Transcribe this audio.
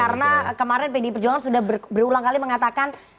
karena kemarin pdi perjuangan sudah berulang kali mengatakan